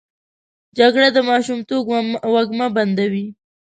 جګړه د ماشومتوب وږمه بندوي